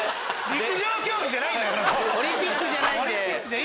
陸上競技じゃないんだから！